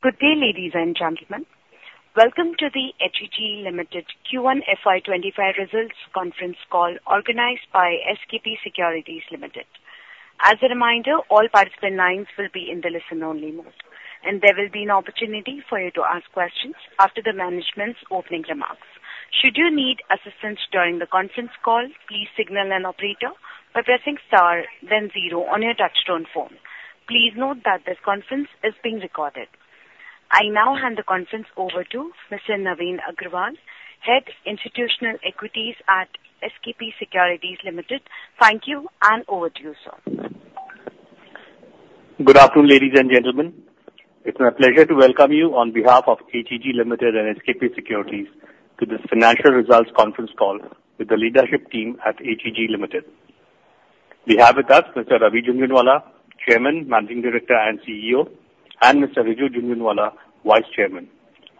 Good day, ladies and gentlemen. Welcome to the HEG Limited Q1 FY 2025 results conference call organized by SKP Securities Limited. As a reminder, all participant lines will be in the listen-only mode, and there will be an opportunity for you to ask questions after the management's opening remarks. Should you need assistance during the conference call, please signal an operator by pressing star, then zero on your touchtone phone. Please note that this conference is being recorded. I now hand the conference over to Mr. Naveen Agrawal, Head Institutional Equities at SKP Securities Limited. Thank you, and over to you, sir. Good afternoon, ladies and gentlemen. It's my pleasure to welcome you on behalf of HEG Limited and SKP Securities to this financial results conference call with the leadership team at HEG Limited. We have with us Mr. Ravi Jhunjhunwala, Chairman, Managing Director, and CEO, and Mr. Riju Jhunjhunwala, Vice Chairman,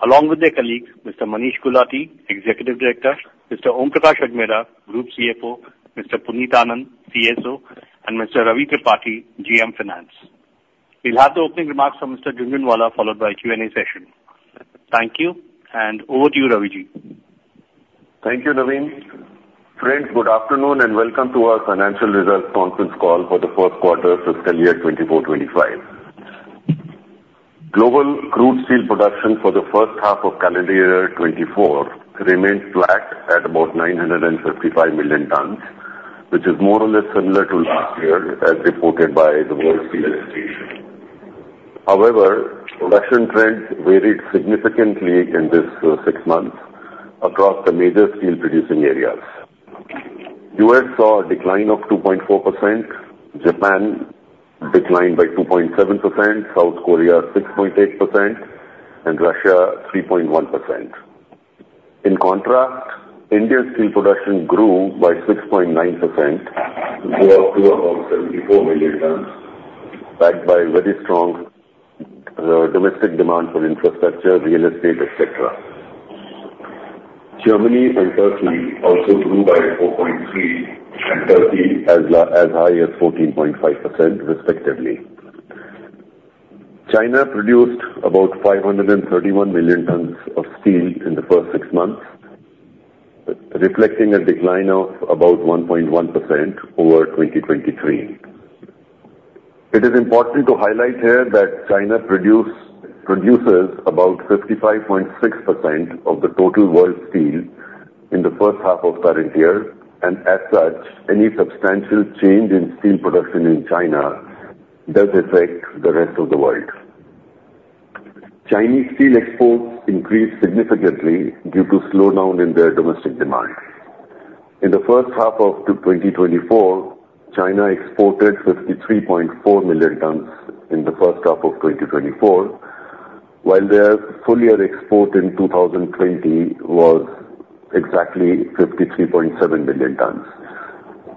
along with their colleagues, Mr. Manish Gulati, Executive Director, Mr. Om Prakash Ajmera, Group CFO, Mr. Puneet Anand, CSO, and Mr. Ravi Tripathi, GM Finance. We'll have the opening remarks from Mr. Jhunjhunwala, followed by a Q&A session. Thank you, and over to you, Raviji. Thank you, Naveen. Friends, good afternoon, and welcome to our financial results conference call for the Q1 fiscal year 2024, 2025. Global crude steel production for the first half of calendar year 2024 remains flat at about 955 million tons, which is more or less similar to last year, as reported by the World Steel Association. However, production trends varied significantly in this six months across the major steel-producing areas. U.S. saw a decline of 2.4%, Japan declined by 2.7%, South Korea 6.8%, and Russia 3.1%. In contrast, India's steel production grew by 6.9% to about 74 million tons, backed by very strong domestic demand for infrastructure, real estate, et cetera. Germany and Turkey also grew by 4.3% and 30%, as high as 14.5% respectively. China produced about 531 million tons of steel in the first six months, reflecting a decline of about 1.1% over 2023. It is important to highlight here that China produces about 55.6% of the total world steel in the first half of current year, and as such, any substantial change in steel production in China does affect the rest of the world. Chinese steel exports increased significantly due to slowdown in their domestic demand. In the first half of 2024, China exported 53.4 million tons, while their full-year export in 2020 was exactly 53.7 million tons.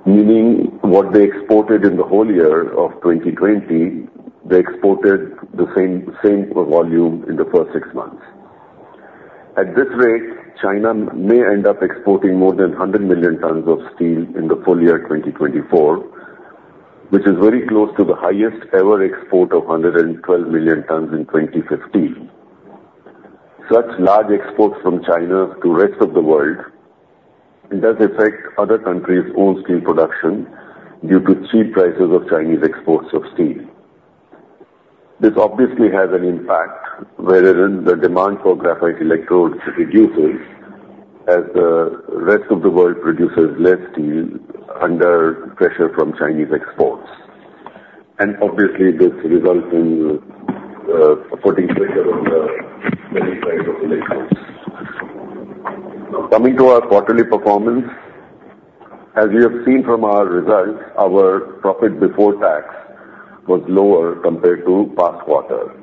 Meaning, what they exported in the whole year of 2020, they exported the same, same volume in the first six months. At this rate, China may end up exporting more than 100 million tons of steel in the full year 2024, which is very close to the highest-ever export of 112 million tons in 2015. Such large exports from China to rest of the world, it does affect other countries' own steel production due to cheap prices of Chinese exports of steel. This obviously has an impact, wherein the demand for graphite electrodes reduces as the rest of the world produces less steel under pressure from Chinese exports. And obviously, this results in putting pressure on the margins of electrodes. Now, coming to our quarterly performance. As you have seen from our results, our profit before tax was lower compared to past quarter.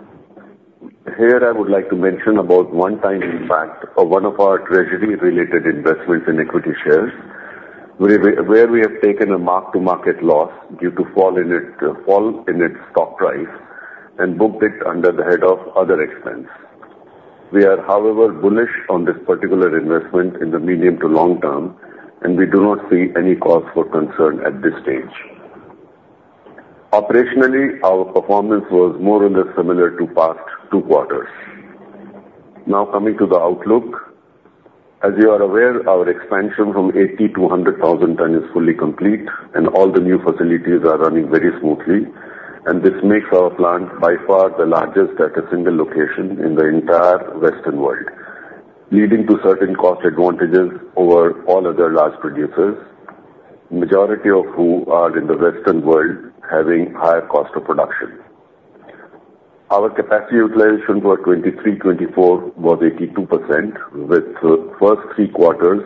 Here, I would like to mention about one-time impact of one of our treasury-related investments in equity shares, where we have taken a mark-to-market loss due to fall in its stock price and booked it under the head of other expense. We are, however, bullish on this particular investment in the medium to long term, and we do not see any cause for concern at this stage. Operationally, our performance was more or less similar to past two quarters. Now, coming to the outlook. As you are aware, our expansion from 80 to 100 thousand tons is fully complete, and all the new facilities are running very smoothly. This makes our plant by far the largest at a single location in the entire Western world, leading to certain cost advantages over all other large producers, majority of who are in the Western world having higher cost of production. Our capacity utilization for 2023 to 2024 was 82%, with the first three quarters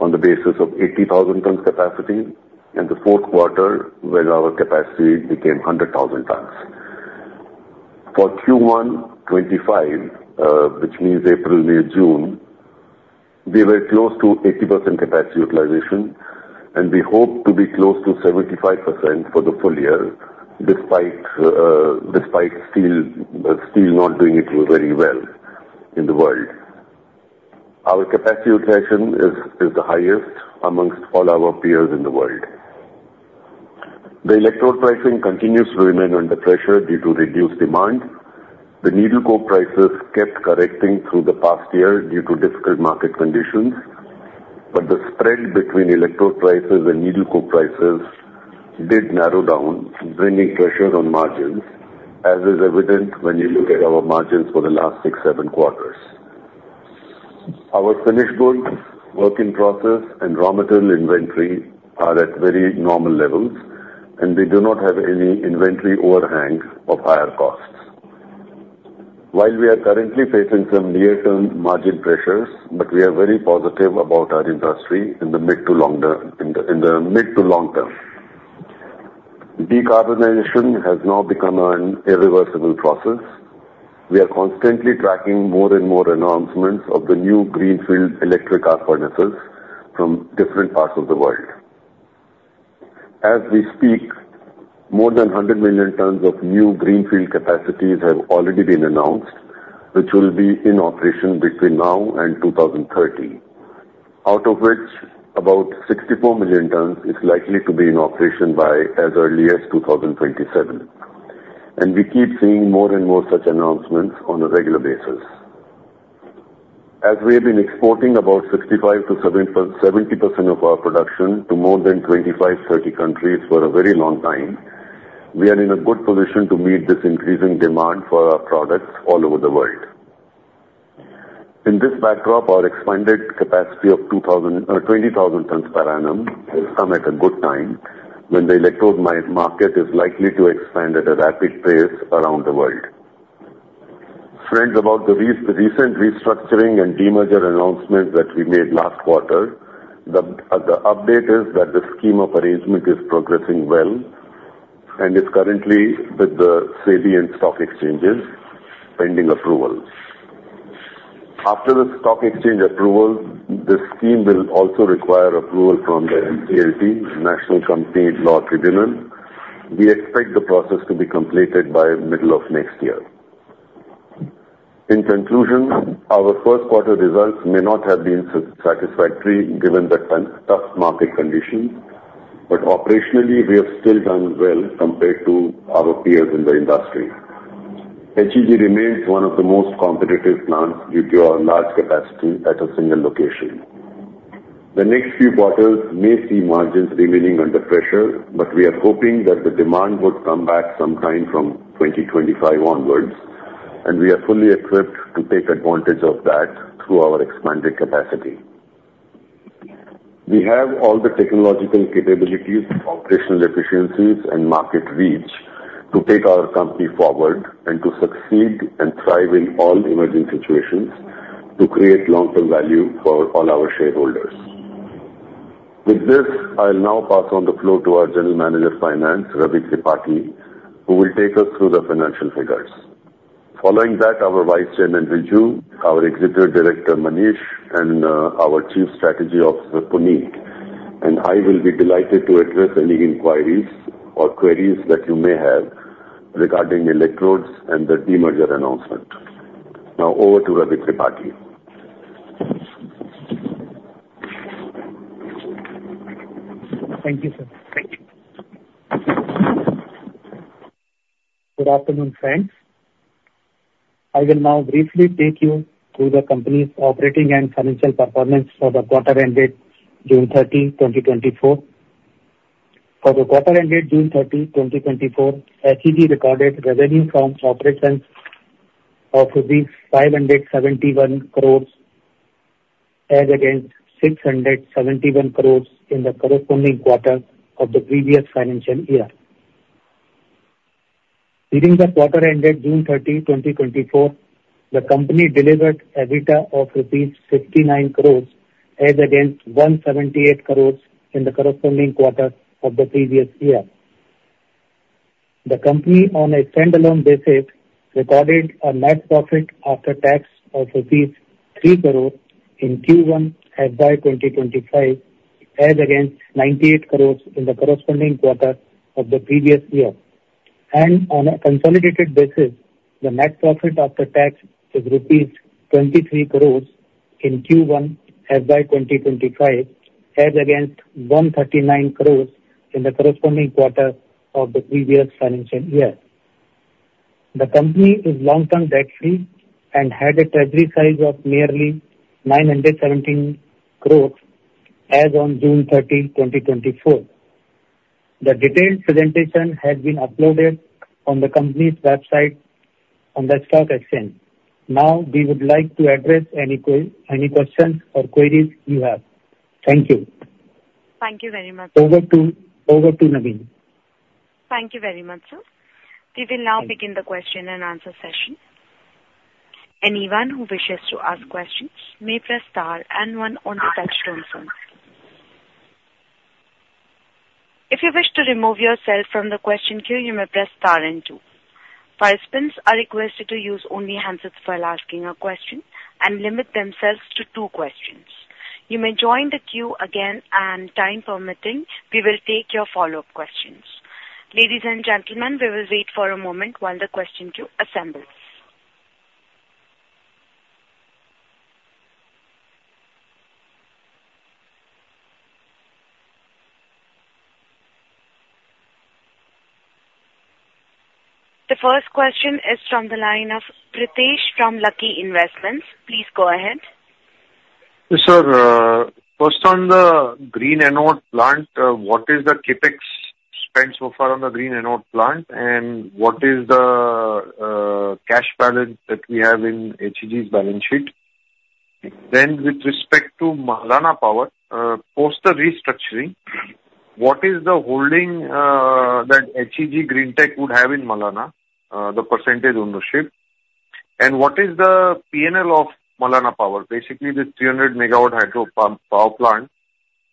on the basis of 80,000 tons capacity and the Q4 when our capacity became 100,000 tons. For Q1 2025, which means April, May, June, we were close to 80% capacity utilization, and we hope to be close to 75% for the full year, despite steel not doing it very well in the world. Our capacity utilization is the highest amongst all our peers in the world. The electrode pricing continues to remain under pressure due to reduced demand. The needle coke prices kept correcting through the past year due to difficult market conditions, but the spread between electrode prices and needle coke prices did narrow down, bringing pressure on margins, as is evident when you look at our margins for the last six, seven quarters. Our finished goods, work in process and raw material inventory are at very normal levels, and we do not have any inventory overhang of higher costs. While we are currently facing some near-term margin pressures. But we are very positive about our industry in the mid to long term, in the, in the mid to long term. Decarbonization has now become an irreversible process. We are constantly tracking more and more announcements of the new greenfield electric arc furnaces from different parts of the world. As we speak, more than 100 million tons of new greenfield capacities have already been announced, which will be in operation between now and 2030, out of which about 64 million tons is likely to be in operation by as early as 2027, and we keep seeing more and more such announcements on a regular basis. As we have been exporting about 65% to 70%, 70% of our production to more than 25 to 30 countries for a very long time, we are in a good position to meet this increasing demand for our products all over the world. In this backdrop, our expanded capacity of 120,000 tons per annum has come at a good time when the electrode market is likely to expand at a rapid pace around the world. Friends, about the recent restructuring and demerger announcement that we made last quarter, the update is that the scheme of arrangement is progressing well and is currently with the SEBI and stock exchanges, pending approval. After the stock exchange approval, the scheme will also require approval from the NCLT, National Company Law Tribunal. We expect the process to be completed by middle of next year. In conclusion, our Q1 results may not have been satisfactory, given the current tough market conditions, but operationally we have still done well compared to our peers in the industry. HEG remains one of the most competitive plants due to our large capacity at a single location. The next few quarters may see margins remaining under pressure, but we are hoping that the demand would come back sometime from twenty 2025 onwards, and we are fully equipped to take advantage of that through our expanded capacity. We have all the technological capabilities, operational efficiencies and market reach to take our company forward and to succeed and thrive in all emerging situations to create long-term value for all our shareholders. With this, I'll now pass on the floor to our General Manager of Finance, Ravikripa Tripathi, who will take us through the financial figures. Following that, our Vice Chairman, Riju, our Executive Director, Manish, and our Chief Strategy Officer, Puneet, and I will be delighted to address any inquiries or queries that you may have regarding electrodes and the demerger announcement. Now over to Ravikripa Tripathi. Thank you, sir. Thank you. Good afternoon, friends. I will now briefly take you through the company's operating and financial performance for the quarter ended June 30, 2024. For the quarter ended June 30, 2024, HEG recorded revenue from operations of INR 571 crores, as against INR 671 crores in the corresponding quarter of the previous financial year. During the quarter ended June 30, 2024, the company delivered EBITDA of rupees 59 crores, as against 178 crores in the corresponding quarter of the previous year. The company, on a standalone basis, recorded a net profit after tax of rupees 3 crores in Q1 FY 2025, as against 98 crores in the corresponding quarter of the previous year. On a consolidated basis, the net profit after tax was rupees 23 crores in Q1 FY25, as against 139 crores in the corresponding quarter of the previous financial year. The company is long-term debt free and had a treasury size of nearly 917 crores as on June 30, 2024. The detailed presentation has been uploaded on the company's website on the stock exchange. Now, we would like to address any any questions or queries you have. Thank you. Thank you very much. Over to Naveen. Thank you very much, sir. We will now begin the Q&A session. Anyone who wishes to ask questions may press star and one on the touch-tone phone. If you wish to remove yourself from the question queue, you may press star and two. Participants are requested to use only handsets while asking a question and limit themselves to two questions. You may join the queue again, and time permitting, we will take your follow-up questions. Ladies and gentlemen, we will wait for a moment while the question queue assembles. The first question is from the line of Pritesh from Lucky Investment Managers. Please go ahead. Yes, sir, first on the green anode plant, what is the CapEx spent so far on the green anode plant? And what is the cash balance that we have in HEG's balance sheet? Then with respect to Malana Power, post the restructuring, what is the holding that HEG Greentech would have in Malana, the percentage ownership? And what is the PNL of Malana Power, basically this 300 megawatt hydro pump power plant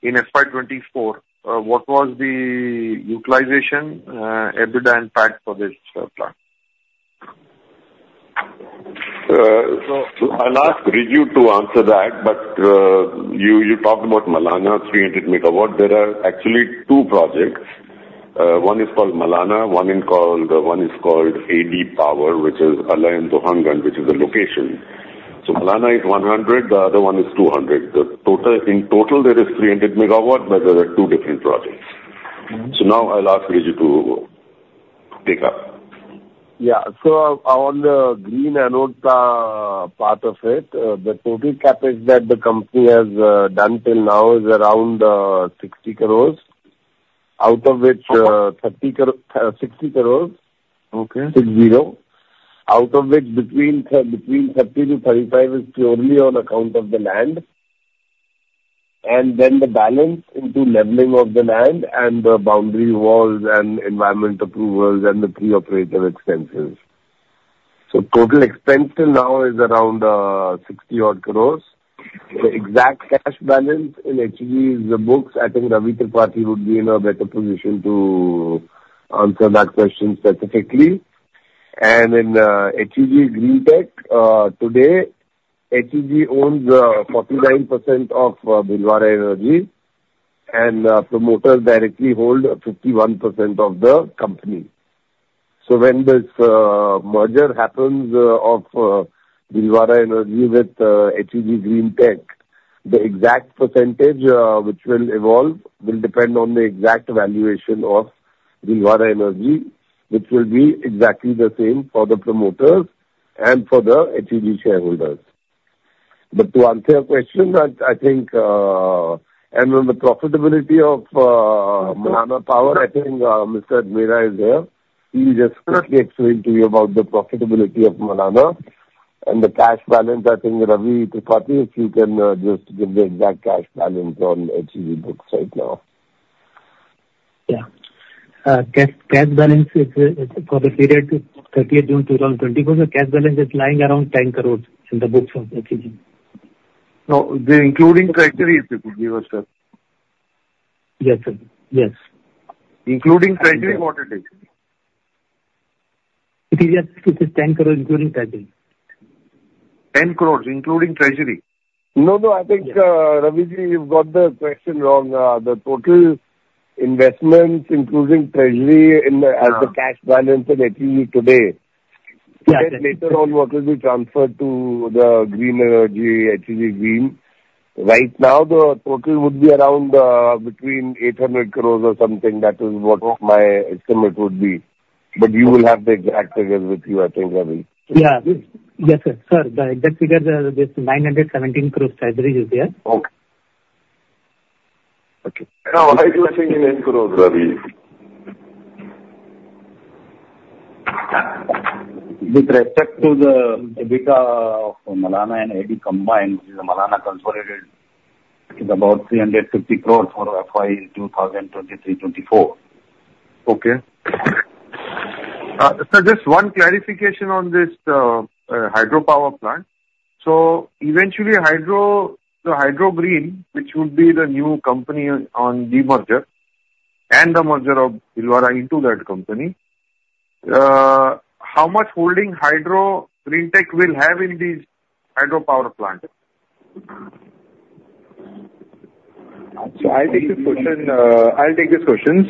in FY 2024, what was the utilization, EBITDA and PAT for this plant? So I'll ask Riju to answer that, but you talked about Malana 300 megawatt. There are actually two projects. One is called Malana, one is called AD Power, which is Allain Duhangan, and which is the location. Malana is 100, the other one is 200. The total. In total, there is 300 megawatts, but there are two different projects. Now I'll ask Riju to take up. On the green anode, part of it, the total CapEx that the company has done till now is around 60 crores, out of which between 30 to 35 is purely on account of the land. And then the balance into leveling of the land and the boundary walls and environmental approvals and the pre-operative expenses. Total expense till now is around 60-odd crores. The exact cash balance in HEG's books, I think Ravi Tripathi would be in a better position to answer that question specifically. In HEG Greentech, today, HEG owns 49% of Bhilwara Energy, and promoters directly hold 51% of the company. So when this merger happens of Bhilwara Energy with HEG Greentech, the exact percentage which will evolve will depend on the exact valuation of Bhilwara Energy, which will be exactly the same for the promoters and for the HEG shareholders. But to answer your question, I think. And on the profitability of Malana Power, I think Mr. Mehra is here. He will exactly explain to you about the profitability of Malana and the cash balance. I think, Ravi Tripathi, if you can just give the exact cash balance on HEG books right now. Yeah. Cash balance is for the period to 30 June 2024, the cash balance is lying around 10 crores in the books of HEG. No, the including treasury, if you could give us, sir. Yes, sir. Yes. Including treasury, what it is? It is, yes, it is INR 10 crores including treasury. 10 crores, including treasury? No, no, I think, Ravi Ji, you've got the question wrong. The total investments, including treasury in the- Uh. as the cash balance of HEG today, Yes. Later on, what will be transferred to the green energy, HEG Greentech. Right now, the total would be around between 800 crores or something. That is what my estimate would be. But you will have the exact figures with you, I think, Ravi. Yeah. Yes, sir. Sir, the exact figure is 917 crores treasury is there. Okay. Now, why do you think in 8 crores, Ravi? With respect to the EBITDA of Malana and AD combined, the Malana consolidated is about 350 crores for FY 2023-24. Okay, so just one clarification on this hydropower plant. Eventually, the HEG Greentech, which would be the new company on demerger and the merger of Bhilwara into that company, how much holding HEG Greentech will have in these hydropower plant? I'll take this question.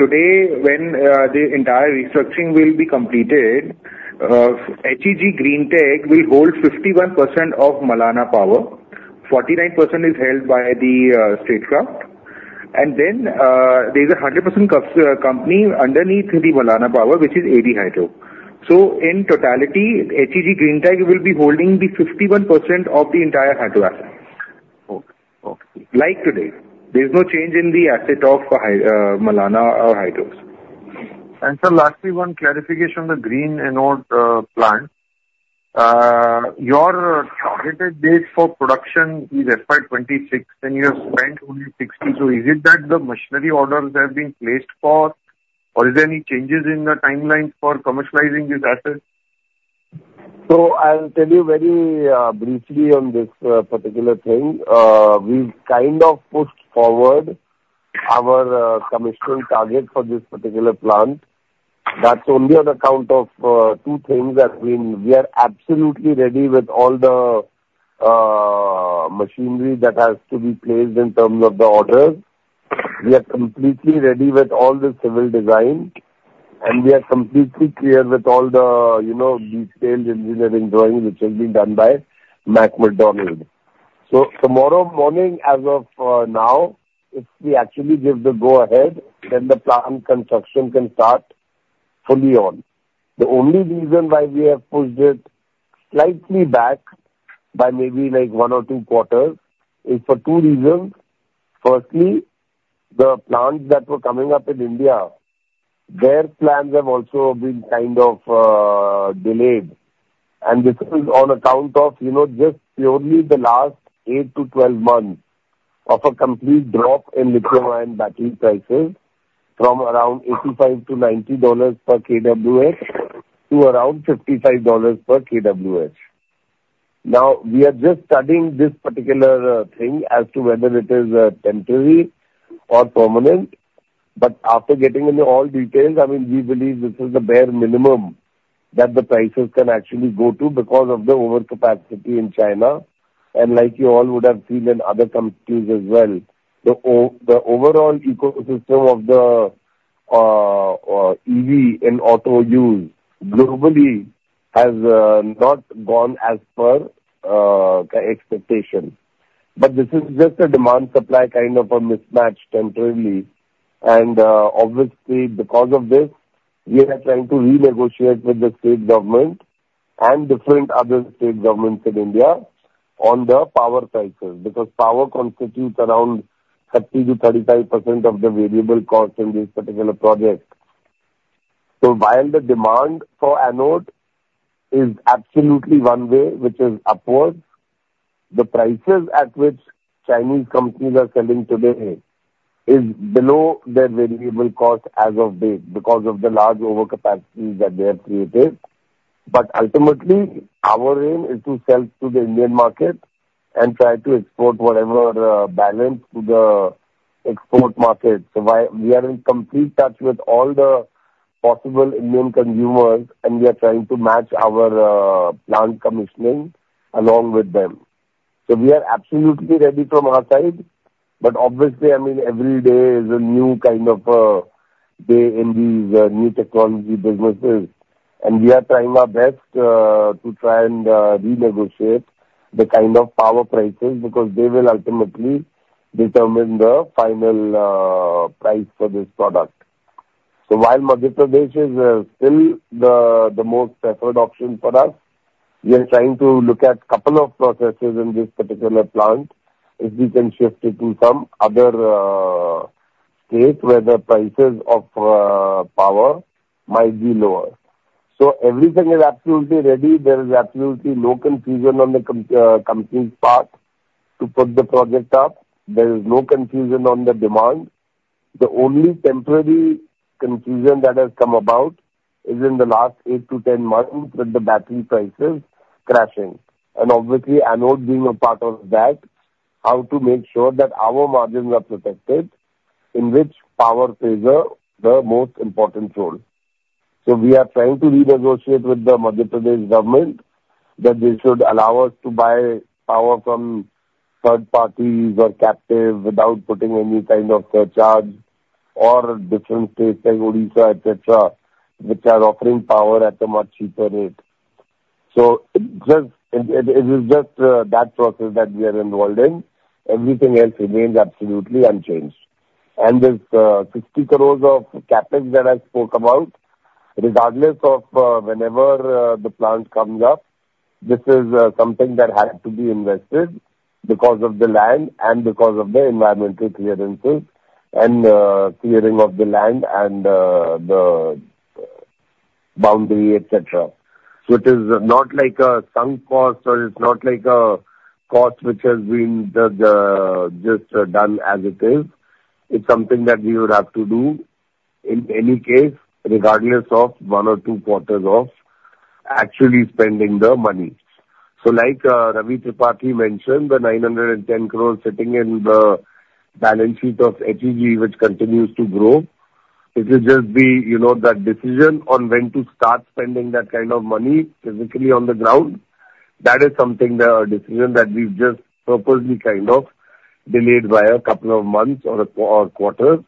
Today, when the entire restructuring will be completed, HEG Greentech will hold 51% of Malana Power. 49% is held by the Statkraft. And then there's a 100% company underneath the Malana Power, which is AD Hydro. In totality, HEG Greentech will be holding the 51% of the entire hydro asset. Okay, okay. Like today, there's no change in the asset of Hydro, Malana or hydros. And sir, lastly, one clarification on the green anode plant. Your targeted date for production is FY 2026, and you have spent only 60. So is it that the machinery orders have been placed for, or is there any changes in the timeline for commercializing this asset? So I'll tell you very briefly on this particular thing. We've kind of pushed forward our commissioning target for this particular plant. That's only on account of two things, and we are absolutely ready with all the machinery that has to be placed in terms of the orders. We are completely ready with all the civil design, and we are completely clear with all the, you know, detailed engineering drawings which has been done by Mott MacDonald. So tomorrow morning, as of now, if we actually give the go-ahead, then the plant construction can start fully on. The only reason why we have pushed it slightly back by maybe like one or two quarters is for two reasons: firstly, the plants that were coming up in India, their plans have also been kind of delayed, and this is on account of, you know, just purely the last 8 to 12 months of a complete drop in lithium ion battery prices from around $85 to 90 per kWh to around $55 per kWh. Now, we are just studying this particular thing as to whether it is temporary or permanent, but after getting into all details, I mean, we believe this is the bare minimum that the prices can actually go to because of the overcapacity in China, and like you all would have seen in other companies as well, the overall ecosystem of the EV in auto use globally has not gone as per the expectation, but this is just a demand supply kind of a mismatch temporarily, and obviously, because of this, we are trying to renegotiate with the state government and different other state governments in India on the power prices, because power constitutes around 30% to 35% of the variable cost in this particular project. So while the demand for anode is absolutely one way, which is upwards, the prices at which Chinese companies are selling today is below their variable cost as of date, because of the large overcapacity that they have created. But ultimately, our aim is to sell to the Indian market and try to export whatever balance to the export markets. We are in complete touch with all the possible Indian consumers, and we are trying to match our plant commissioning along with them. So we are absolutely ready from our side, but obviously, I mean, every day is a new kind of a day in these new technology businesses, and we are trying our best to try and renegotiate the kind of power prices, because they will ultimately determine the final price for this product. So while Madhya Pradesh is still the most preferred option for us, we are trying to look at couple of processes in this particular plant, if we can shift it to some other state where the prices of power might be lower. So everything is absolutely ready. There is absolutely no confusion on the company's part to put the project up. There is no confusion on the demand. The only temporary confusion that has come about is in the last 8 to 10 months, with the battery prices crashing. And obviously, anode being a part of that, how to make sure that our margins are protected, in which power plays the most important role. We are trying to renegotiate with the Madhya Pradesh government that they should allow us to buy power from third parties or captive without putting any kind of surcharge or different states like Odisha, et cetera, which are offering power at a much cheaper rate. It is just that process that we are involved in. Everything else remains absolutely unchanged. This 60 crores of CapEx that I spoke about, regardless of whenever the plant comes up, is something that has to be invested because of the land and because of the environmental clearances and clearing of the land and the boundary, et cetera. It is not like a sunk cost, or it is not like a cost which has been just done as it is. It's something that we would have to do in any case, regardless of one or two quarters of actually spending the money. So like, Ravi Tripathi mentioned, the 910 crore sitting in the balance sheet of HEG, which continues to grow, it will just be, you know, that decision on when to start spending that kind of money physically on the ground. That is something, the decision that we've just purposely kind of delayed by a couple of months or quarters,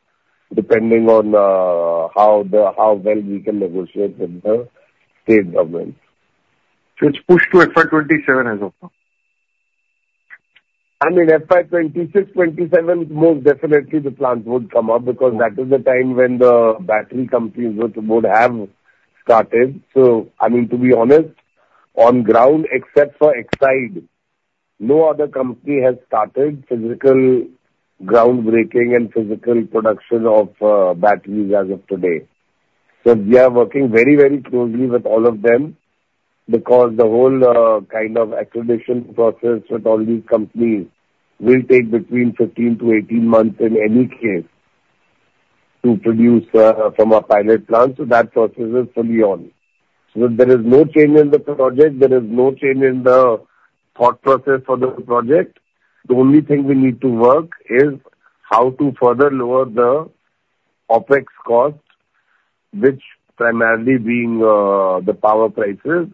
depending on how well we can negotiate with the state government. So it's pushed to FY 2027 as of now? I mean, FY 2026, 2027, most definitely the plant would come up, because that is the time when the battery companies would have started. So, I mean, to be honest, on ground, except for Exide, no other company has started physical groundbreaking and physical production of batteries as of today. So we are working very, very closely with all of them because the whole kind of accreditation process with all these companies will take between 15 to 18 months in any case to produce from a pilot plant, so that process is fully on. So there is no change in the project, there is no change in the thought process for the project. The only thing we need to work is how to further lower the OpEx costs which primarily being, the power prices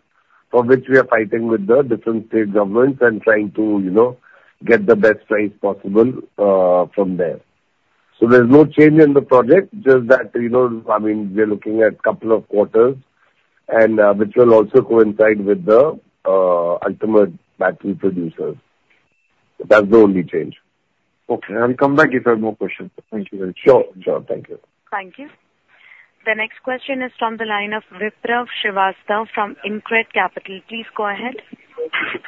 for which we are fighting with the different state governments and trying to, you know, get the best price possible, from there. So there's no change in the project, just that, you know, I mean, we are looking at couple of quarters and, which will also coincide with the, ultimate battery producers. That's the only change. Okay. I'll come back if I have more questions. Thank you very much. Sure, John. Thank you. Thank you. The next question is from the line of Vipra Srivastava from InCred Capital. Please go ahead.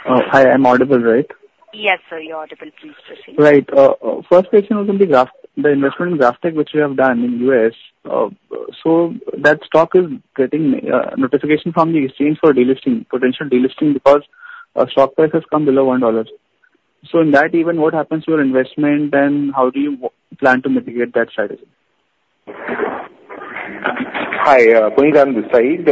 Hi. I'm audible, right? Yes, sir, you're audible. Please proceed. Right. First question was on the investment in GrafTech, which we have done in U.S. So that stock is getting notification from the exchange for delisting, potential delisting, because stock price has come below one dollar. So in that event, what happens to your investment, and how do you plan to mitigate that strategy? Hi, Puneet on this side.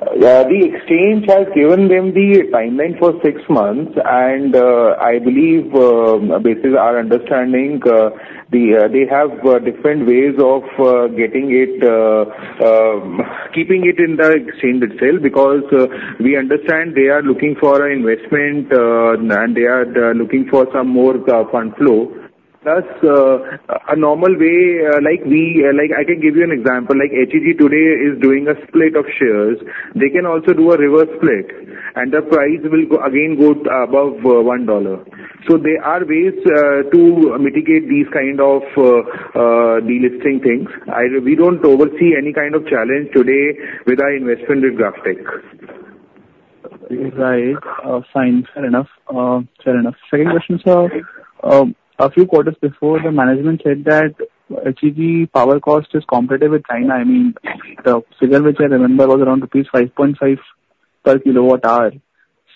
The exchange has given them the timeline for six months, and I believe, basis our understanding, they have different ways of getting it, keeping it in the exchange itself, because we understand they are looking for an investment, and they are looking for some more fund flow. Plus, a normal way, like I can give you an example, like HEG today is doing a split of shares. They can also do a reverse split, and the price will go again, go above $1. So there are ways to mitigate these kind of delisting things. We don't oversee any kind of challenge today with our investment with GrafTech. Right. Fine. Fair enough, fair enough. Second question, sir. A few quarters before, the management said that HEG power cost is competitive with China. I mean, the figure which I remember was around rupees 5.5 per kilowatt hour.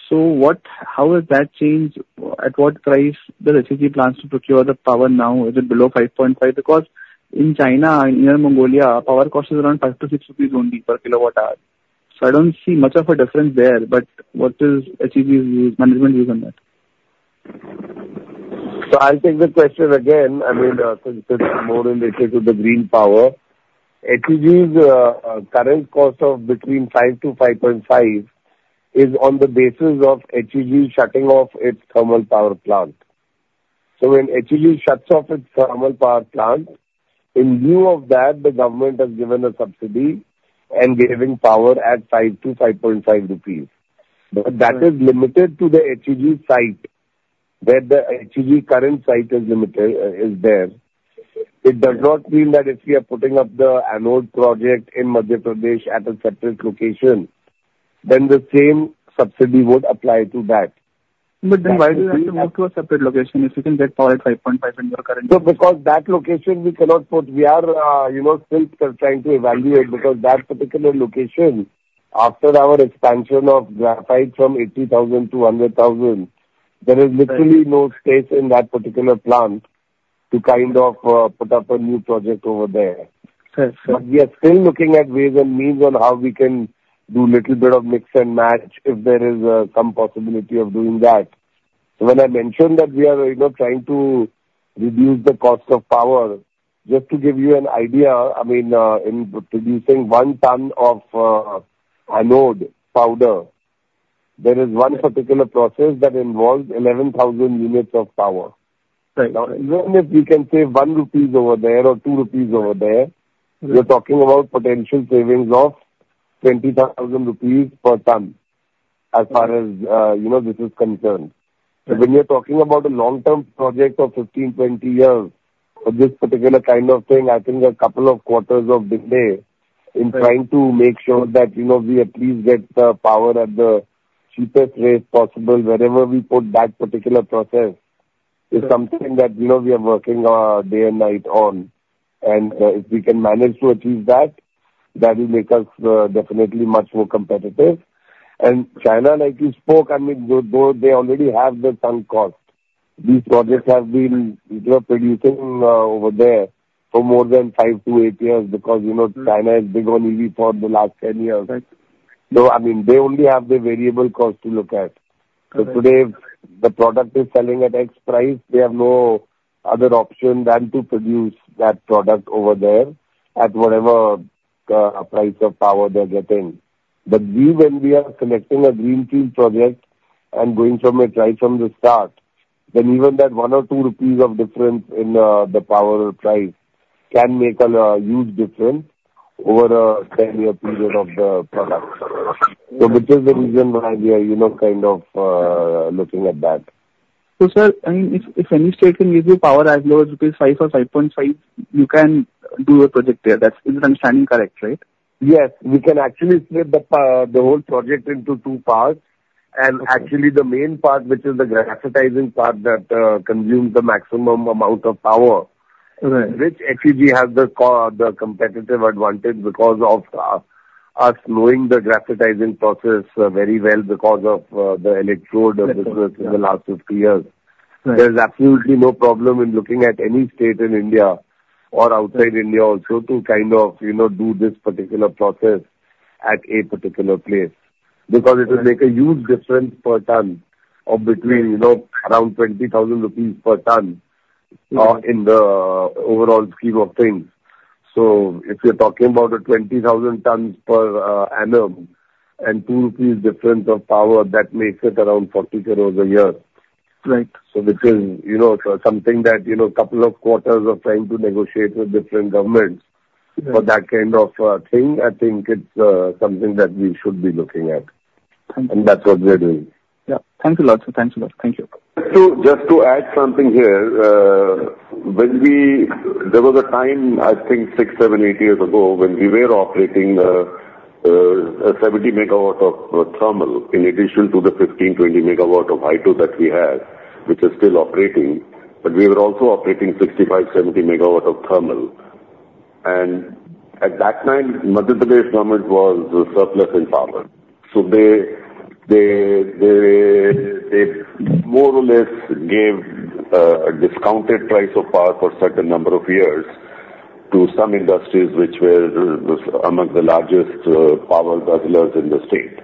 So, how has that changed? At what price does HEG plans to procure the power now? Is it below 5.5? Because in China, Inner Mongolia, power cost is around 5-6 rupees only per kilowatt hour. So I don't see much of a difference there, but what is HEG's management view on that? I'll take the question again, I mean, since this is more related to the green power. HEG's current cost of between 5 to 5.5 is on the basis of HEG shutting off its thermal power plant. When HEG shuts off its thermal power plant, in lieu of that, the government has given a subsidy and giving power at 5 to 5.5 rupees. But that is limited to the HEG site, where the HEG current site is limited, is there. It does not mean that if we are putting up the anode project in Madhya Pradesh at a separate location, then the same subsidy would apply to that. But then why do you have to move to a separate location if you can get power at INR 5.5 in your current location? No, because that location we cannot put., we are, you know, still trying to evaluate, because that particular location, after our expansion of graphite from eighty thousand to hundred thousand, there is literally no space in that particular plant to kind of put up a new project over there. Sure, sir. We are still looking at ways and means on how we can do a little bit of mix and match if there is some possibility of doing that. When I mentioned that we are, you know, trying to reduce the cost of power, just to give you an idea, I mean, in producing one ton of anode powder, there is one particular process that involves eleven thousand units of power. Right. Now, even if you can save 1 rupees over there or 2 rupees over there, we are talking about potential savings of 20,000 rupees per ton as far as, you know, this is concerned. When you're talking about a long-term project of 15, 20 years for this particular kind of thing, I think a couple of quarters of delay in trying to make sure that, you know, we at least get the power at the cheapest rate possible wherever we put that particular process, is something that, you know, we are working day and night on. And if we can manage to achieve that, that will make us definitely much more competitive. And China, like you spoke, I mean, though, they already have the ton cost. These projects have been, you know, producing over there for more than five to eight years because, you know, China has been big on EV for the last 10 years. Right. I mean, they only have the variable cost to look at. Correct. So today, the product is selling at X price. They have no other option than to produce that product over there at whatever price of power they're getting. But we, when we are connecting a greenfield project and going from it right from the start, then even that one or two rupees of difference in the power price can make a huge difference over a ten-year period of the product. So which is the reason why we are, you know, kind of, looking at that. Sir, I mean, if any state can give you power as low as rupees 5 or 5.5, you can do a project there. That's... Is my understanding correct, right? Yes, we can actually split the whole project into two parts, and actually, the main part, which is the graphitizing part, that consumes the maximum amount of power- Right. which actually we have the competitive advantage because of us knowing the graphitizing process very well because of the electrode business in the last fifty years. Right. There's absolutely no problem in looking at any state in India or outside India also to kind of, you know, do this particular process at a particular place, because it will make a huge difference per ton of between, you know, around 20,000 rupees per ton in the overall scheme of things. So if you're talking about a 20,000 tons per annum, and two rupees difference of power, that makes it around 40 crores a year. Right. So which is, you know, something that, you know, a couple of quarters of trying to negotiate with different governments. Yeah. For that kind of thing, I think it's something that we should be looking at. Thank you. And that's what we are doing. Yeah. Thank you a lot, sir. Thanks a lot. Thank you. Just to add something here, there was a time, I think six, seven, eight years ago, when we were operating 70 megawatts of thermal, in addition to the 15 to 20 megawatts of hydro that we had, which is still operating, but we were also operating 65 to 70 megawatts of thermal. At that time, the Madhya Pradesh government was surplus in power. They more or less gave a discounted price of power for a certain number of years to some industries which were among the largest power consumers in the state.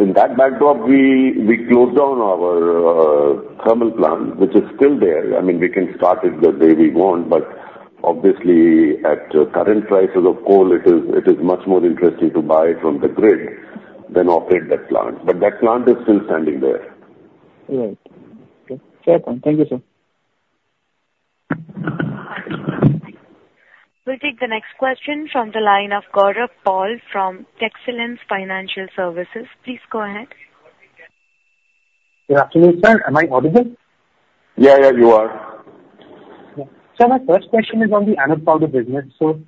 In that backdrop, we closed down our thermal plant, which is still there. I mean, we can start it the day we want, but obviously at current prices of coal, it is much more interesting to buy it from the grid than operate that plant. But that plant is still standing there. Right. Okay. Thank you, sir. We'll take the next question from the line of Gaurav Paul from Excellence Financial Services. Please go ahead. Good afternoon, sir. Am I audible? Yeah, yeah, you are. Yeah. So my first question is on the anode powder business. So,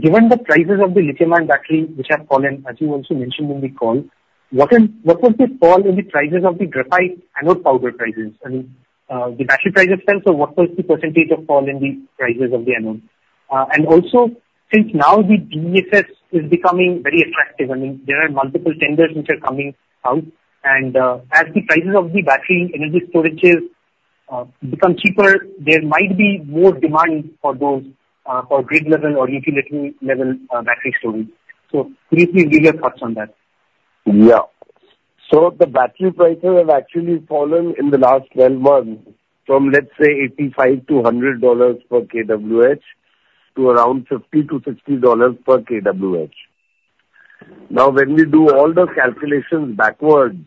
given the prices of the lithium-ion battery, which have fallen, as you also mentioned in the call, what is, what was the fall in the prices of the graphite anode powder prices? And, the battery prices fell, so what was the percentage of fall in the prices of the anode? And also, since now the BESS is becoming very attractive, I mean, there are multiple tenders which are coming out, and, as the prices of the battery energy storages become cheaper, there might be more demand for those, for grid level or utility level battery storage. So please give your thoughts on that. Yeah. So the battery prices have actually fallen in the last 12 months from, let's say, $85 to 100 per kWh, to around $50 to 60 per kWh. Now, when we do all the calculations backwards,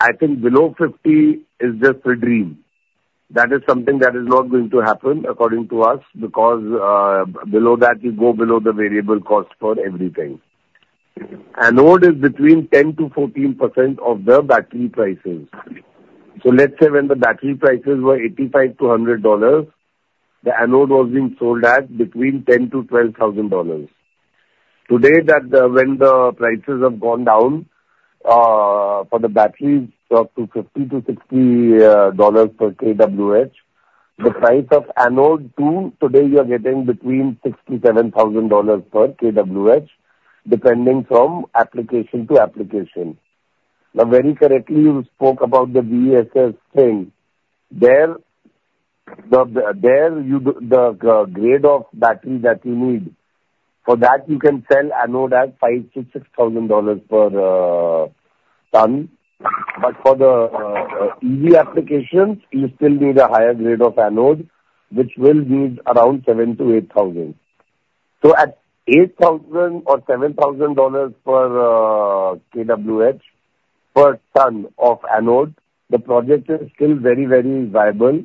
I think below 50 is just a dream. That is something that is not going to happen according to us, because, below that, you go below the variable cost for everything. Anode is between 10%-14% of the battery prices. So let's say when the battery prices were $85 to 100, the anode was being sold at between $10,000 to 12,000. Today, that, when the prices have gone down, for the batteries up to $50 to 60 per kWh, the price of anode too, today you are getting between $6,000 to 7,000 per kWh, depending from application to application. Now, very correctly, you spoke about the BESS thing. There, the grade of battery that you need, for that you can sell anode at $5,000 to 6,000 per ton. But for the easy applications, you still need a higher grade of anode, which will need around $7,000 to 8,000. So at $8,000 or $7,000 per kWh per ton of anode, the project is still very, very viable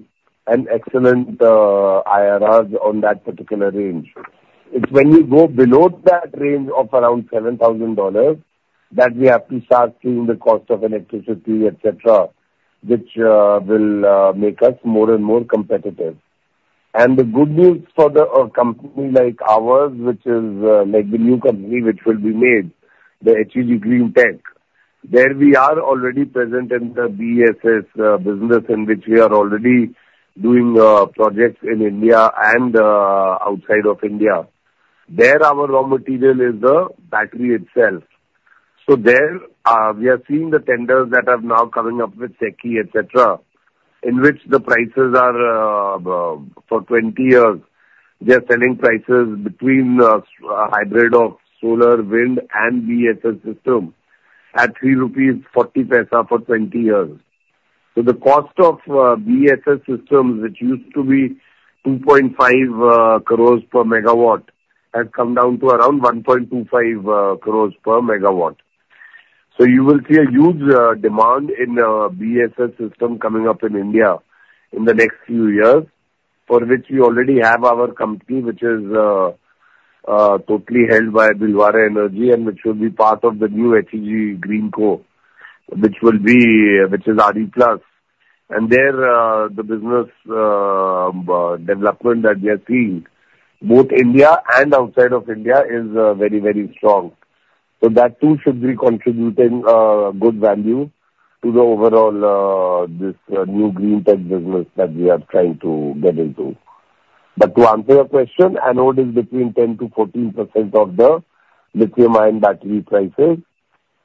and excellent IRRs on that particular range. It's when you go below that range of around $7,000, that we have to start seeing the cost of electricity, et cetera, which will make us more and more competitive. And the good news for a company like ours, which is like the new company, which will be made, the HEG Greentech, there we are already present in the BESS business, in which we are already doing projects in India and outside of India. There, our raw material is the battery itself. So there, we are seeing the tenders that are now coming up with SECI, et cetera, in which the prices are for 20 years. They are selling prices between a hybrid of solar, wind, and BESS system at 3.40 rupees for 20 years. So the cost of BESS systems, which used to be 2.5 crores per megawatt, has come down to around 1.25 crores per megawatt. So you will see a huge demand in BESS system coming up in India in the next few years, for which we already have our company, which is totally held by Bhilwara Energy, and which will be part of the new HEG Greentech, which will be, which is RePlus. And there the business development that we are seeing, both India and outside of India, is very, very strong. So that too should be contributing good value to the overall this new green tech business that we are trying to get into. But to answer your question, anode is between 10% to 14% of the lithium-ion battery prices,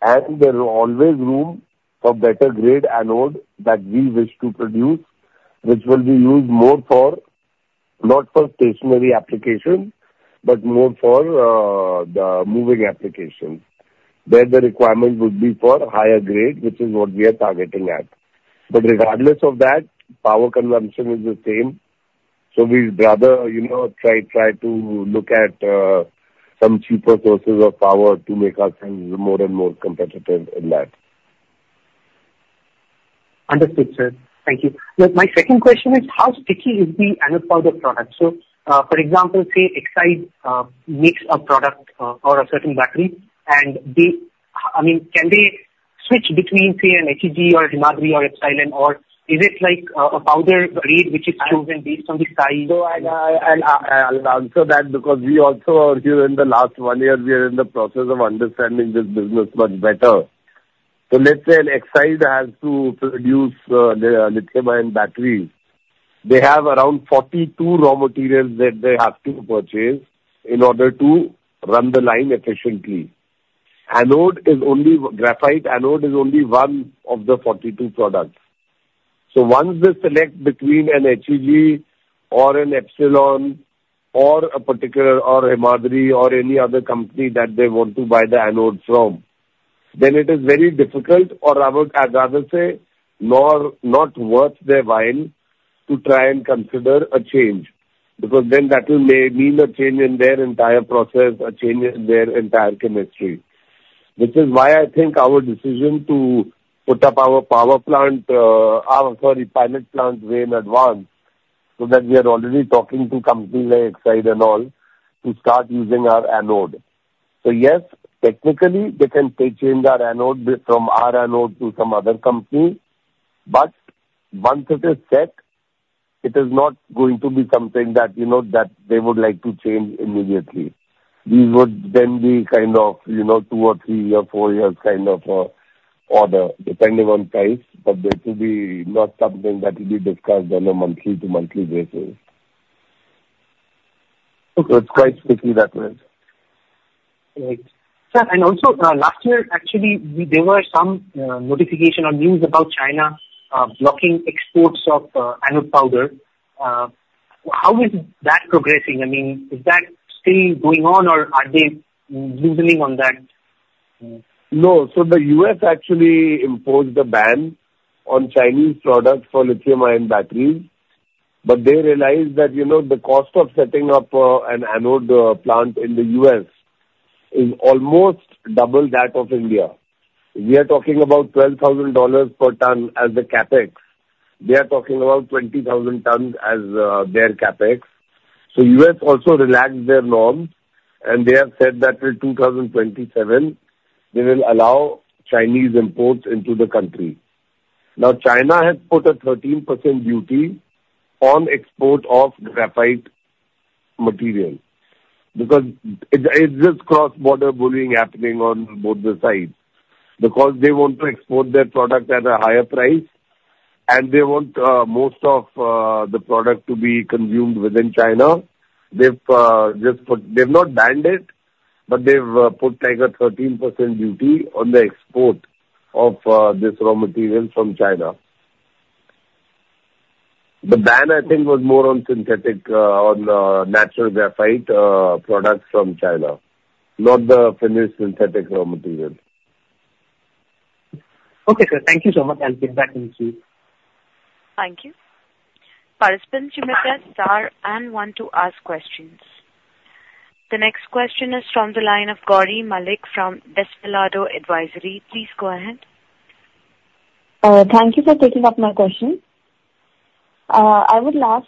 and there is always room for better grade anode that we wish to produce, which will be used more for Not for stationary application, but more for the moving application, where the requirement would be for higher grade, which is what we are targeting at. But regardless of that, power consumption is the same, so we'd rather, you know, try to look at some cheaper sources of power to make ourselves more and more competitive in that. Understood, sir. Thank you. My second question is: How sticky is the anode powder product? So, for example, say, Exide makes a product or a certain battery, and they I mean, can they switch between, say, an HEG or Himadri or Epsilon, or is it like a powder grade which is chosen based on the size? No, I'll answer that because we also are here in the last one year, we are in the process of understanding this business much better. So let's say an Exide has to produce the lithium-ion battery. They have around 42 raw materials that they have to purchase in order to run the line efficiently. Anode is only, graphite anode is only one of the 42 products. So once they select between an HEG or an Epsilon or a particular or Himadri or any other company that they want to buy the anode from, then it is very difficult, or I would rather say, more, not worth their while, to try and consider a change, because then that will mean a change in their entire process, a change in their entire chemistry. Which is why I think our decision to put up our power plant, sorry, pilot plant way in advance, so that we are already talking to companies like Exide and all to start using our anode. So yes, technically, they can change from our anode to some other company, but once it is set, it is not going to be something that, you know, that they would like to change immediately. These would then be kind of, you know, two or three or four years kind of order, depending on price, but this will be not something that will be discussed on a monthly to monthly basis. Okay. So it's quite sticky that way. Right. Sir, and also, last year, actually, we, there were some notification or news about China blocking exports of anode powder. How is that progressing? I mean, is that still going on, or are they loosening on that? No. So the U.S. actually imposed the ban on Chinese products for lithium-ion batteries, but they realized that, you know, the cost of setting up an anode plant in the U.S. is almost double that of India. We are talking about $12,000 per ton as the CapEx. They are talking about 20,000 tons as their CapEx. So U.S. also relaxed their norms, and they have said that in 2027, they will allow Chinese imports into the country. Now, China has put a 13% duty on export of graphite material, because it, it's just cross-border bullying happening on both the sides. Because they want to export their product at a higher price, and they want most of the product to be consumed within China. They've not banned it, but they've put like a 13% duty on the export of this raw material from China. The ban, I think, was more on synthetic, on natural graphite products from China, not the finished synthetic raw material. Okay, sir. Thank you so much. I'll get back to you. Thank you. Participants, you may press star and one to ask questions. The next question is from the line of Gauri Malik from Despelado Advisory. Please go ahead. Thank you for taking up my question. I would like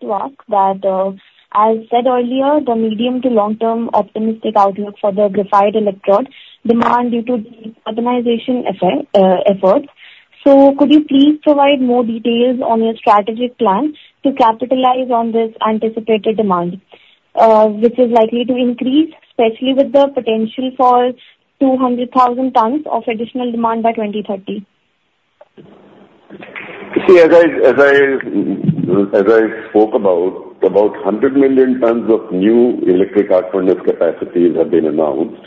to ask that, as said earlier, the medium to long-term optimistic outlook for the graphite electrode demand due to the decarbonization effort. So could you please provide more details on your strategic plan to capitalize on this anticipated demand, which is likely to increase, especially with the potential for 200,000 tons of additional demand by 2030? See, as I spoke about, 100 million tons of new electric arc furnace capacities have been announced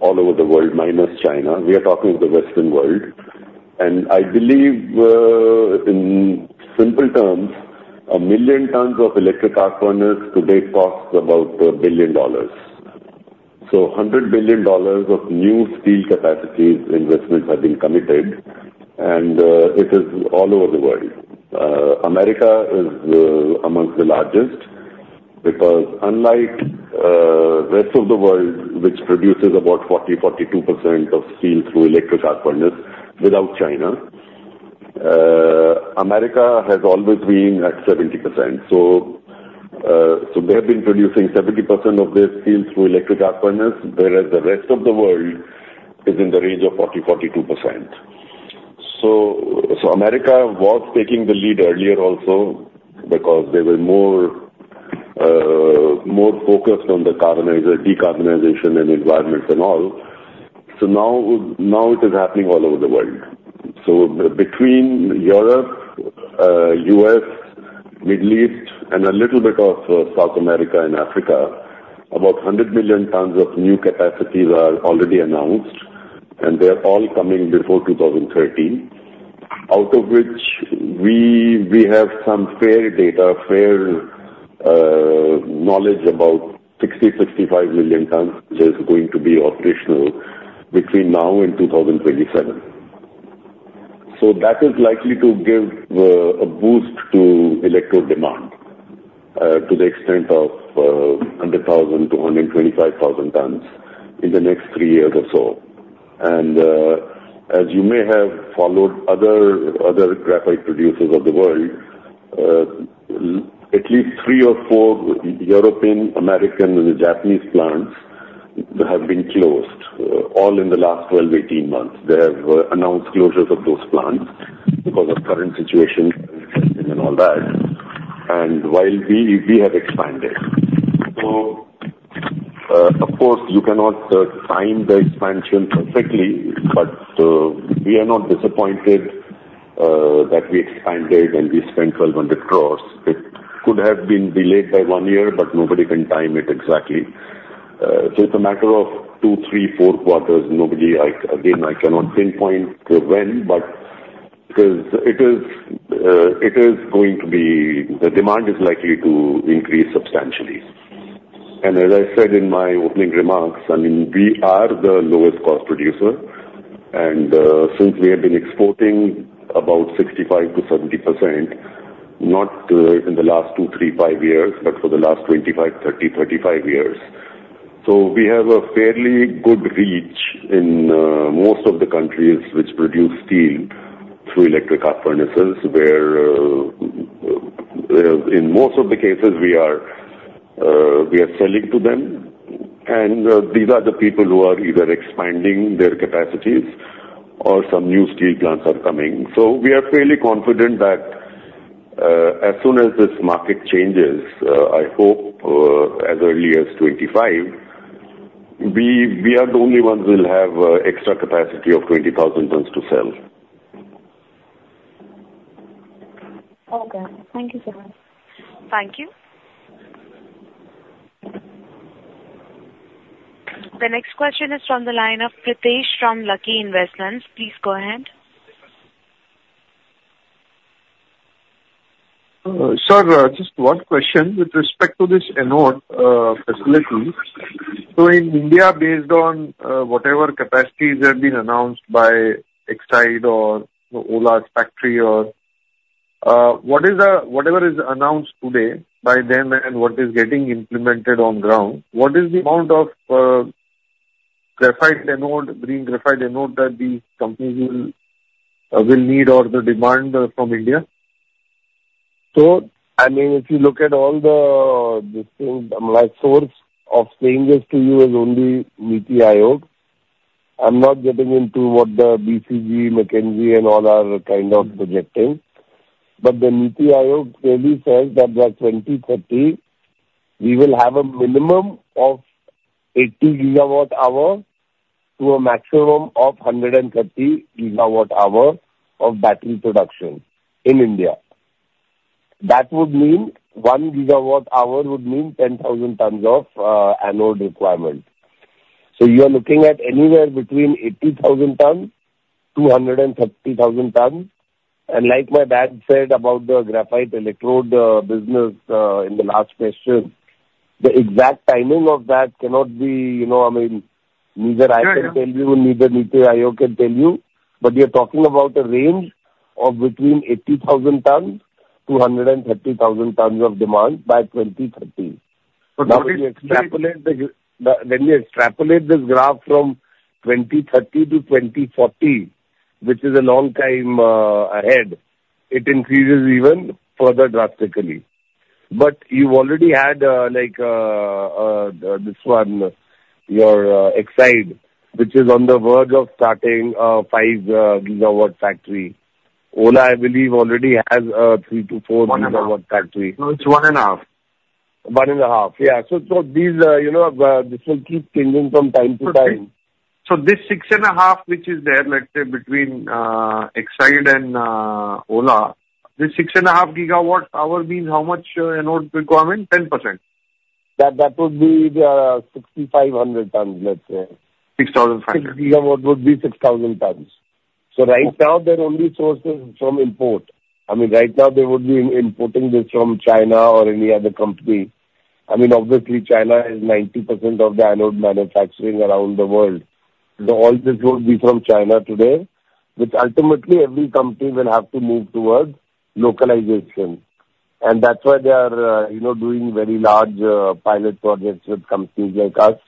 all over the world, minus China. We are talking the Western world. I believe, in simple terms, a million tons of electric arc furnace today costs about $1 billion. So $100 billion of new steel capacities investments have been committed, and it is all over the world. America is amongst the largest, because unlike the rest of the world, which produces about 40% to 42% of steel through electric arc furnace without China, America has always been at 70%. So they've been producing 70% of their steel through electric arc furnace, whereas the rest of the world is in the range of 40% to 42%. America was taking the lead earlier also because they were more focused on the carboniza- decarbonization and environment and all. Now it is happening all over the world. Between Europe, U.S., Middle East, and a little bit of South America and Africa, about 100 million tons of new capacities are already announced, and they are all coming before 2013, out of which we have some fair data, knowledge about 65 million tons, which is going to be operational between now and 2027. That is likely to give a boost to electrode demand, to the extent of 100,000 tons to 125,000 tons in the next three years or so. As you may have followed other graphite producers of the world, at least three or four European, American and Japanese plants have been closed, all in the last 12 to 18 months. They have announced closures of those plants because of current situation and all that, and while we have expanded, of course you cannot time the expansion perfectly, but we are not disappointed that we expanded and we spent 1,200 crores. It could have been delayed by one year, but nobody can time it exactly, so it's a matter of two, three, four quarters. Nobody, again, I cannot pinpoint when, but it is going to be. The demand is likely to increase substantially. As I said in my opening remarks, I mean, we are the lowest cost producer, and since we have been exporting about 65% to 70%, not in the last two, three, five years, but for the last 25, 30, 35 years. So we have a fairly good reach in most of the countries which produce steel through electric arc furnaces, where in most of the cases we are selling to them, and these are the people who are either expanding their capacities or some new steel plants are coming. So we are fairly confident that as soon as this market changes, I hope, as early as 2025, we are the only ones who will have extra capacity of 20,000 tons to sell. Okay. Thank you so much. Thank you. The next question is from the line of Pritesh from Lucky Investment Managers. Please go ahead. Sir, just one question with respect to this anode facility. So in India, based on whatever capacities have been announced by Exide or Ola's factory or whatever is announced today by them and what is getting implemented on ground, what is the amount of graphite anode, green graphite anode, that these companies will need or the demand from India? I mean, if you look at all the things, my source of saying this to you is only NITI Aayog. I'm not getting into what the BCG, McKinsey and all are kind of projecting, but the NITI Aayog clearly says that by 2030, we will have a minimum of 80 gigawatt hour to a maximum of 130 gigawatt hour of battery production in India. That would mean one gigawatt hour would mean 10,000 tons of anode requirement. You are looking at anywhere between 80,000 tons to 130,000 tons. And like my dad said about the graphite electrode business in the last question, the exact timing of that cannot be You know, I mean, neither I can tell you, neither NITI Aayog can tell you, but we are talking about a range of between 80,000 tons to 130,000 tons of demand by 2030. So now- When we extrapolate this graph from 2030 to 2040, which is a long time ahead, it increases even further drastically. But you've already had, like, this one, your Exide, which is on the verge of starting 5 GWh factory. Ola, I believe, already has 3 GWh to 4 GWh factory. No, it's one and a half. One and a half. Yeah. So, these, you know, this will keep changing from time to time. This six and a half, which is there, let's say between Exide and Ola, this 6.5 gigawatt hour means how much anode requirement? 10%. That, that would be 6,500 tons, let's say. 6,500. 6 gigawatt would be 6,000 tons. So right now their only source is from import. I mean, right now they would be importing this from China or any other company. I mean, obviously China is 90% of the anode manufacturing around the world. So all this would be from China today, but ultimately every company will have to move towards localization. And that's why they are, you know, doing very large, pilot projects with companies like us,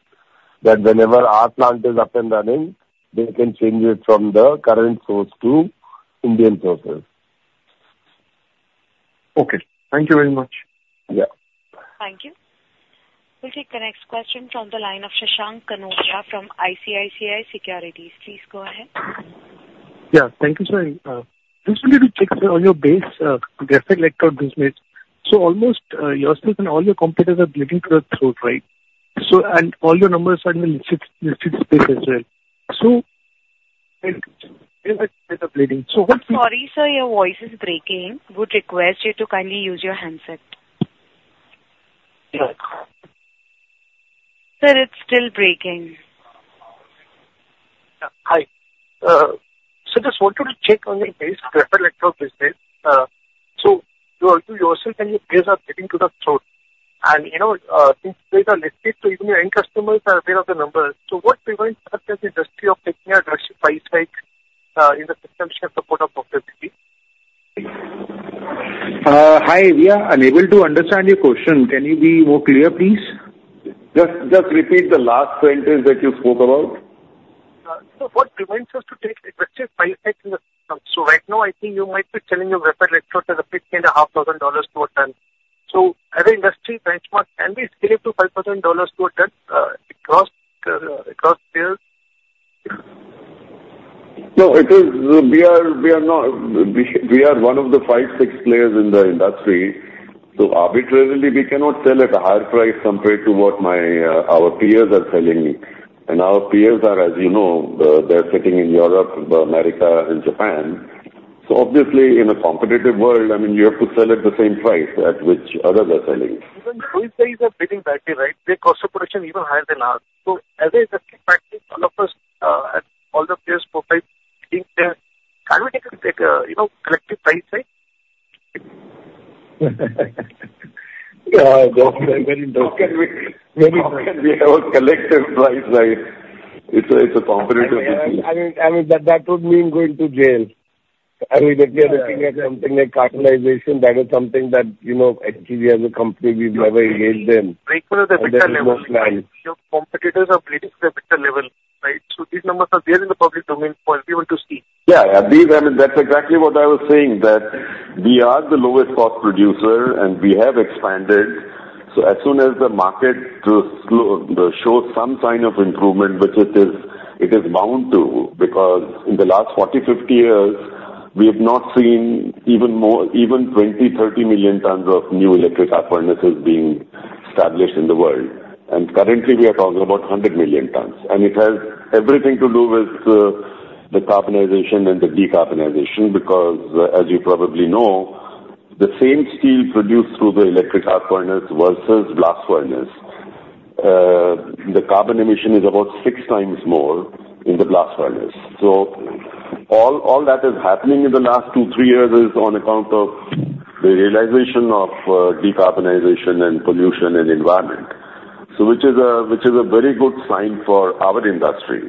that whenever our plant is up and running, they can change it from the current source to Indian sources. Okay. Thank you very much. Yeah. Thank you. We'll take the next question from the line of Shashank Kanoria from ICICI Securities. Please go ahead. Yeah. Thank you, sir. Just wanted to check, sir, on your basic graphite electrode business. So almost yourself and all your competitors are bleeding to death, right? So, and all your numbers are in the red as well. So, like, where's the bleeding? So what Sorry, sir, your voice is breaking. Would request you to kindly use your handset. Sir, it's still breaking. Yeah. Hi. So just wanted to check on your base, graphite electrode business. So you, you yourself and your peers are getting to the throat, and, you know, since peers are listed, so even your end customers are aware of the numbers. So what prevents such as the industry of taking a price hike, in the consumption of the product of GrafTech? Hi, we are unable to understand your question. Can you be more clear, please? Just, repeat the last sentence that you spoke about. So what prevents us to take a price hike in the? So right now, I think you might be telling your graphite electrode is $15,500 per ton. So as an industry benchmark, can we scale up to $5,000 per ton across peers? No, it is. We are not. We are one of the five, six players in the industry, so arbitrarily we cannot sell at a higher price compared to what our peers are selling. And our peers are, as you know, they are sitting in Europe, America, and Japan. So obviously, in a competitive world, I mean, you have to sell at the same price at which others are selling. Even those guys are bidding badly, right? Their cost of production even higher than ours. So as an industry practice, all of us, all the players profile in there, can we take a, you know, collective price hike? How can we, how can we have a collective price hike? It's a competitive industry. I mean, that would mean going to jail. I mean, if you are looking at something like carbonization, that is something that, you know, actually, as a company, we've never engaged in. Your competitors are bidding to a better level, right? So these numbers are there in the public domain for everyone to see. Yeah, yeah. These, I mean, that's exactly what I was saying, that we are the lowest cost producer, and we have expanded. So as soon as the market just slowly shows some sign of improvement, which it is, it is bound to, because in the last 40 years to 50 years, we have not seen even 20 million to 30 million tons of new electric arc furnaces being established in the world. And currently, we are talking about 100 million tons. And it has everything to do with the carbonization and the decarbonization, because as you probably know, the same steel produced through the electric arc furnace versus blast furnace, the carbon emission is about 6 times more in the blast furnace. So all that is happening in the last 2 to 3 years is on account of the realization of decarbonization and pollution and environment. Which is a very good sign for our industry.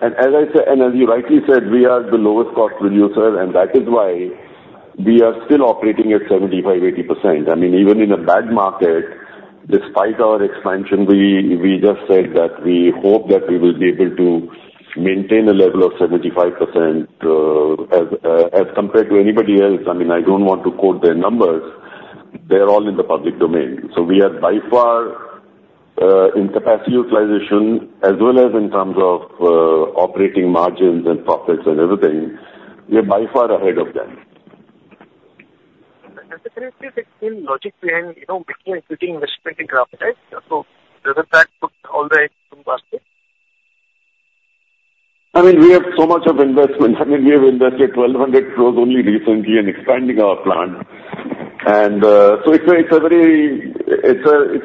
As I said, and as you rightly said, we are the lowest cost producer, and that is why we are still operating at 75% to 80%. I mean, even in a bad market, despite our expansion, we just said that we will be able to maintain a level of 75%, as compared to anybody else. I mean, I don't want to quote their numbers. They're all in the public domain. We are by far in capacity utilization, as well as in terms of operating margins and profits and everything, we are by far ahead of them. Definitely, there's been logic when, you know, making, putting investment in GrafTech. So doesn't that put all the eggs in one basket? I mean, we have so much of investment. I mean, we have invested 1,200 crores only recently in expanding our plant. And so it's a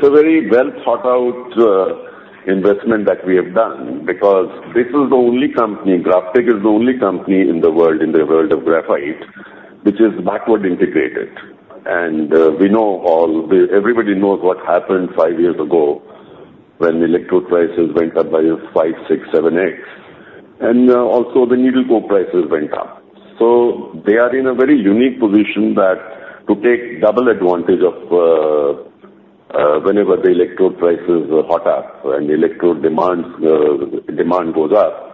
very well thought out investment that we have done, because this is the only company. GrafTech is the only company in the world, in the world of graphite, which is backward integrated. And we know all. Everybody knows what happened five years ago when the electrode prices went up by 5x, 6x, 7x, and also the needle coke prices went up. So they are in a very unique position that to take double advantage of whenever the electrode prices hot up and the electrode demand goes up.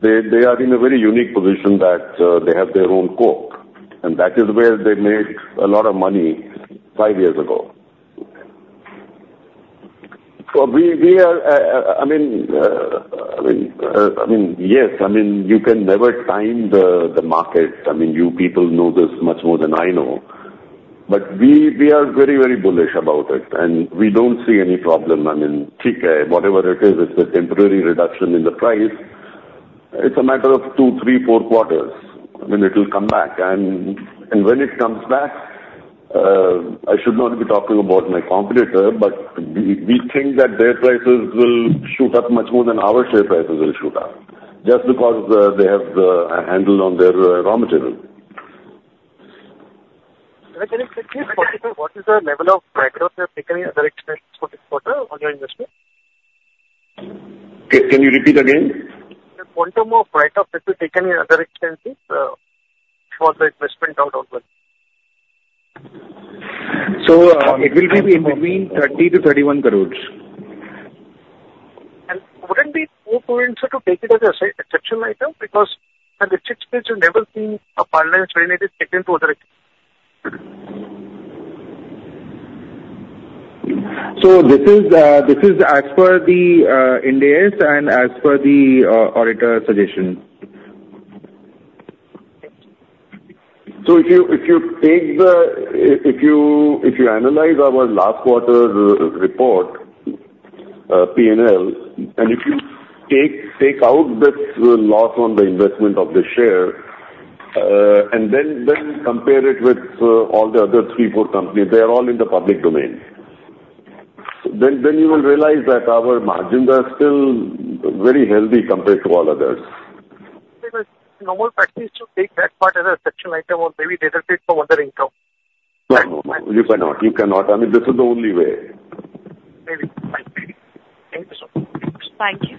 They are in a very unique position that they have their own coke, and that is where they made a lot of money five years ago. We are I mean, yes, I mean, you can never time the market. I mean, you people know this much more than I know. But we are very, very bullish about it, and we don't see any problem. I mean, whatever it is, it's a temporary reduction in the price. It's a matter of two, three, four quarters. I mean, it will come back. When it comes back, I should not be talking about my competitor, but we think that their prices will shoot up much more than our share prices will shoot up, just because they have the handle on their raw material. What is the level of write-off you have taken in other expenses for this quarter on your investment? Can you repeat again? The quantum of write-off that you've taken in other expenses for the investment outflow. It will be between 30 to 31 crores. Wouldn't it be more prudent, sir, to take it as an exception item? Because at which stage you never see an impairment when it is taken to other- So this is as per the Ind AS and as per the auditor suggestion. So if you take the, if you analyze our last quarter report. P&L, and if you take out this loss on the investment of the share, and then compare it with all the other three, four companies, they are all in the public domain. Then you will realize that our margins are still very healthy compared to all others. But normal practice to take that part as a special item or maybe debit to other income. No, no, you cannot, you cannot. I mean, this is the only way. Maybe. Maybe. Thank you, sir. Thank you.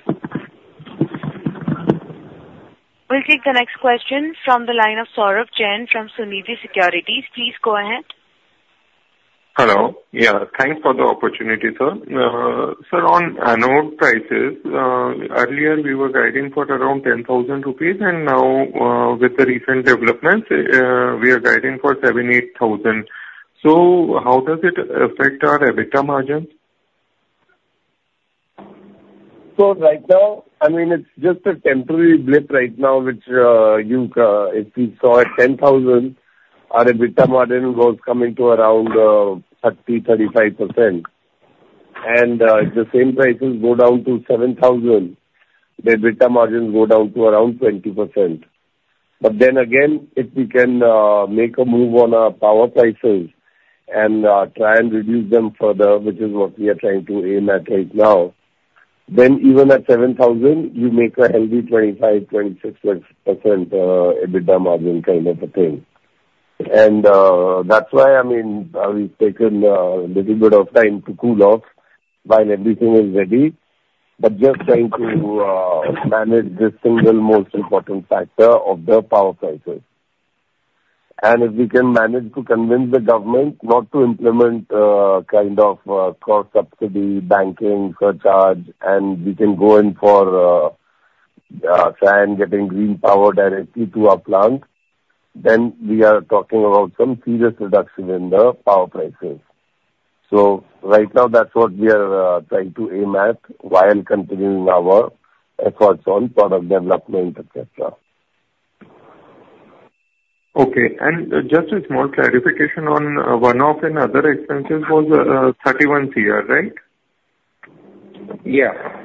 We'll take the next question from the line of Saurabh Jain from Sunidhi Securities. Please go ahead. Hello. Yeah, thanks for the opportunity, sir. So on anode prices, earlier we were guiding for around 10,000 rupees, and now, with the recent developments, we are guiding for 7,000 to 8,000. So how does it affect our EBITDA margins? Right now, I mean, it's just a temporary blip right now, which, if you saw at 10,000, our EBITDA margin was coming to around 30% to 35%. If the same prices go down to 7,000, the EBITDA margins go down to around 20%. But then again, if we can make a move on our power prices and try and reduce them further, which is what we are trying to aim at right now, then even at 7,000, you make a healthy 25% to 26% EBITDA margin kind of a thing. That's why, I mean, we've taken a little bit of time to cool off while everything is ready, but just trying to manage the single most important factor of the power prices. And if we can manage to convince the government not to implement cross-subsidy surcharge, and we can go in for trying to get green power directly to our plant, then we are talking about some serious reduction in the power prices. So right now, that's what we are trying to aim at while continuing our efforts on product development, et cetera. Okay. And just a small clarification on one-off and other expenses was 31 CR, right? Yes. Okay.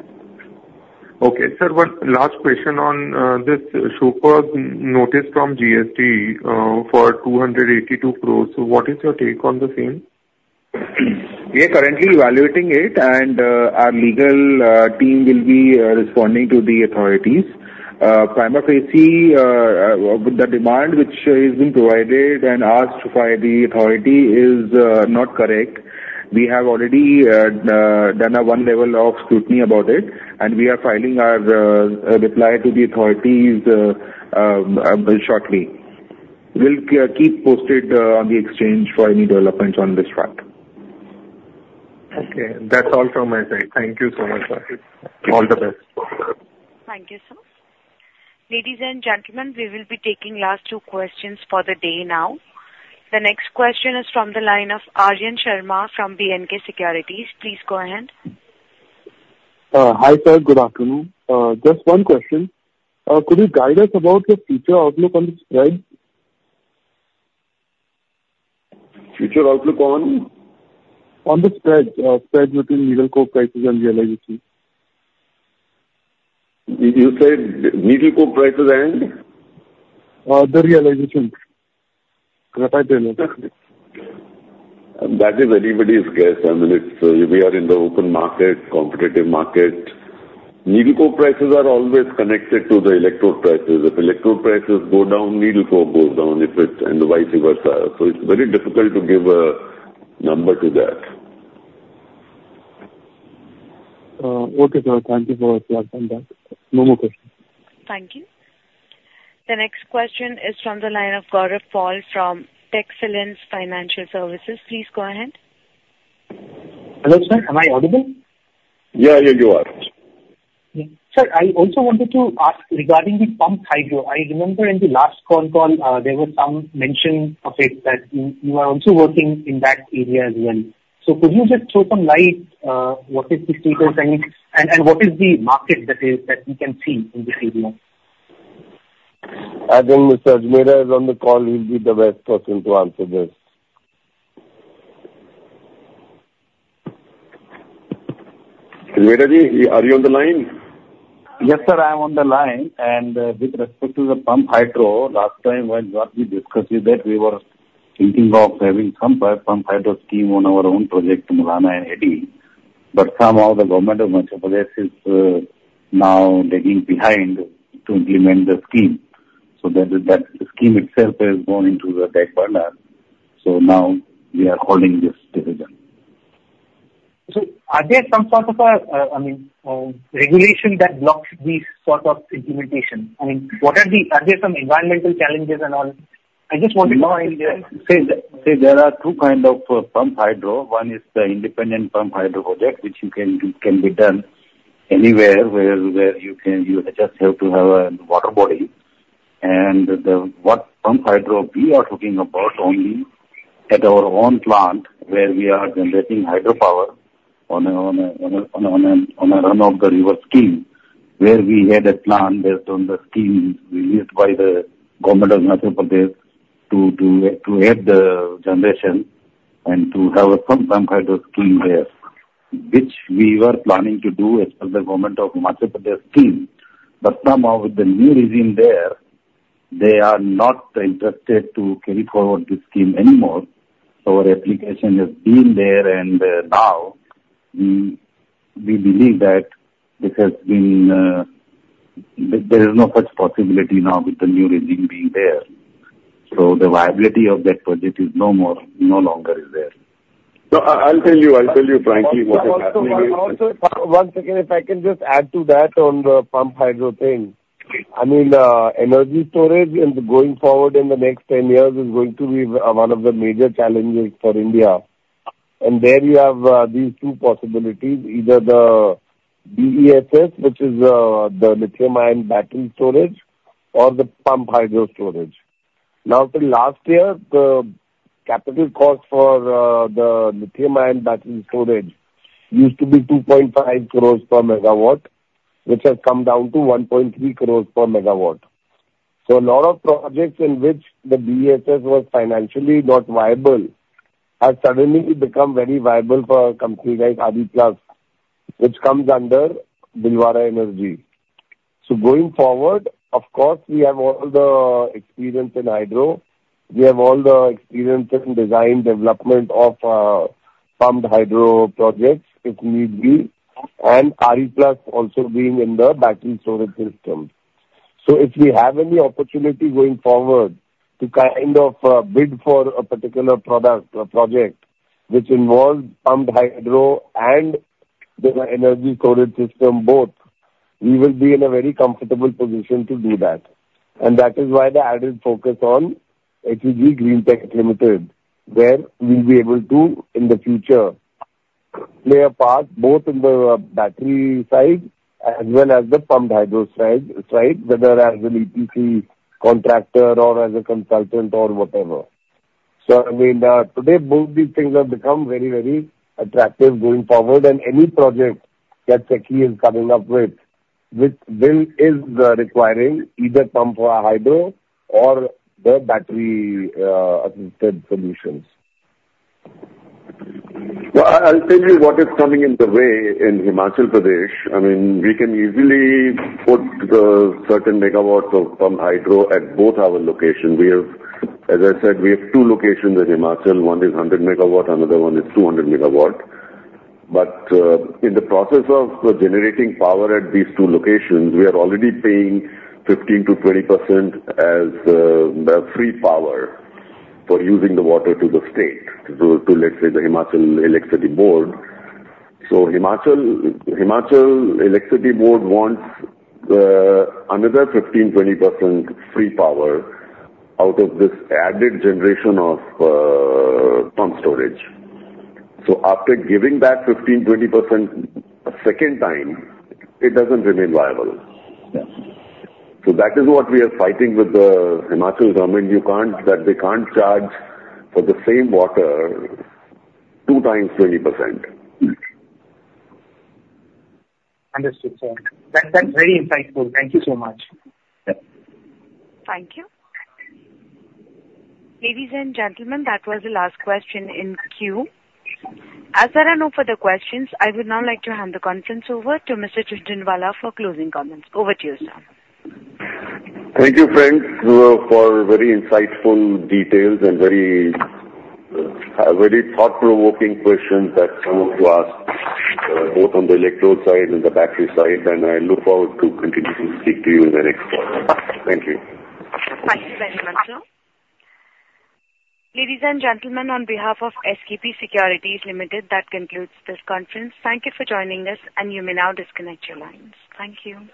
Sir, one last question on this show cause notice from GST for 282 crores. So what is your take on the same? We are currently evaluating it, and our legal team will be responding to the authorities. Prima facie, with the demand which has been provided and asked by the authority is not correct. We have already done a one level of scrutiny about it, and we are filing our reply to the authorities shortly. We'll keep posted on the exchange for any developments on this front. Okay. That's all from my side. Thank you so much, sir. All the best. Thank you, sir. Ladies and gentlemen, we will be taking last two questions for the day now. The next question is from the line of Aryan Sharma from B&K Securities. Please go ahead. Hi, sir. Good afternoon. Just one question. Could you guide us about your future outlook on the spread? Future outlook on? On the spread between needle coke prices and realization. You said needle coke prices and? The realization. Revenue generator. That is anybody's guess. I mean, it's we are in the open market, competitive market. Needle Coke prices are always connected to the electrode prices. If electrode prices go down, Needle Coke goes down, and vice versa. So it's very difficult to give a number to that. Okay, sir. Thank you for clarifying that. No more questions. Thank you. The next question is from the line of Gaurav Paul from D'Excellence Financial Services. Please go ahead. Hello, sir. Am I audible? Yeah. Yeah, you are. Sir, I also wanted to ask regarding the pumped hydro. I remember in the last conference call, there was some mention of it, that you are also working in that area as well. So could you just throw some light, what is the status and what is the market that we can see in this area? I think Mr. Ajmera is on the call, he'll be the best person to answer this. Ajmera ji, are you on the line? Yes, sir, I am on the line. And with respect to the pumped hydro, last time when we discussed with that, we were thinking of having some pumped hydro scheme on our own project, Malana and AD. But somehow the government of Madhya Pradesh is now lagging behind to implement the scheme. So that scheme itself has gone into the back burner, so now we are holding this division. So are there some sort of, I mean, regulation that blocks these sort of implementations? I mean, are there some environmental challenges and all? I just wanted to know if there is- See, there are two kinds of pumped hydro. One is the independent pumped hydro project, which can be done anywhere where you can. You just have to have a water body. And the pumped hydro we are talking about only at our own plant, where we are generating hydropower on a run-of-the-river scheme, where we had a plan based on the scheme released by the government of Madhya Pradesh to aid the generation and to have a pumped hydro scheme there, which we were planning to do as per the government of Madhya Pradesh scheme. But somehow, with the new regime there, they are not interested to carry forward this scheme anymore. So our application has been there, and now we believe that this has been there. There is no such possibility now with the new regime being there. So the viability of that project is no more, no longer is there. I'll tell you frankly what is happening. Also, one second, if I can just add to that on the pumped hydro thing. I mean, energy storage and going forward in the next 10 years is going to be one of the major challenges for India. And there you have these two possibilities: either the BESS, which is the lithium-ion battery storage, or the pumped hydro storage. Now, till last year, the capital cost for the lithium-ion battery storage used to be 2.5 crores per megawatt, which has come down to 1.3 crores per megawatt. So a lot of projects in which the BESS was financially not viable have suddenly become very viable for a company like AD Hydro Power, which comes under Bhilwara Energy. So going forward, of course, we have all the experience in hydro. We have all the experience in design development of pumped hydro projects, if need be, and Adi Plus also being in the battery storage system, so if we have any opportunity going forward to kind of bid for a particular product or project which involves pumped hydro and the energy storage system both, we will be in a very comfortable position to do that, and that is why the added focus on HEG Greentech Limited, where we'll be able to, in the future, play a part both in the battery side as well as the pumped hydro side, whether as an EPC contractor or as a consultant or whatever. I mean, today, both these things have become very, very attractive going forward, and any project that SECI is coming up with, which is requiring either pump or hydro or the battery assisted solutions. I'll tell you what is coming in the way in Himachal Pradesh. I mean, we can easily put the certain megawatts of pumped hydro at both our locations. We have. As I said, we have two locations in Himachal: one is 100 megawatts, another one is 200 megawatts. But in the process of generating power at these two locations, we are already paying 15% to 20% as free power for using the water to the state, to let's say, the Himachal Electricity Board. So Himachal Electricity Board wants another 15% to 20% free power out of this added generation of pumped storage. So after giving back 15% to 20% a second time, it doesn't remain viable. Yes. So that is what we are fighting with the Himachal government: that they can't charge for the same water two times 20%. Understood, sir. That's, that's very insightful. Thank you so much. Yeah. Thank you. Ladies and gentlemen, that was the last question in queue. As there are no further questions, I would now like to hand the conference over to Mr. Jhunjhunwala for closing comments. Over to you, sir. Thank you, friends, for very insightful details and very, very thought-provoking questions that some of you asked, both on the electrode side and the battery side, and I look forward to continuing to speak to you in the next quarter. Thank you. Thank you very much, sir. Ladies and gentlemen, on behalf of SKP Securities Limited, that concludes this conference. Thank you for joining us, and you may now disconnect your lines. Thank you.